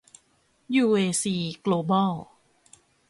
ยูเอซี โกลบอล